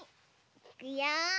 いくよ。